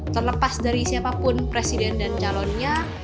terlepas dari siapapun presiden dan calonnya